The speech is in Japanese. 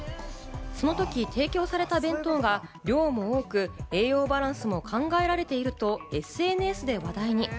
その時、提供された弁当が量も多く栄養バランスも考えられているとＳＮＳで話題に。